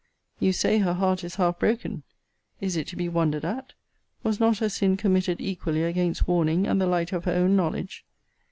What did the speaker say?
You say her heart is half broken: Is it to be wondered at? Was not her sin committed equally against warning and the light of her own knowledge?